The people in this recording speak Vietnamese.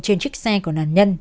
trên chiếc xe của nạn nhân